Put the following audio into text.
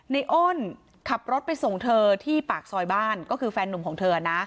อ้นขับรถไปส่งเธอที่ปากซอยบ้านก็คือแฟนนุ่มของเธอนะ